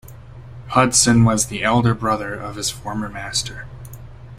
Hudson was the elder brother of his former master.